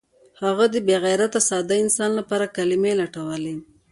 هغه د بې غیرته ساده انسان لپاره کلمې لټولې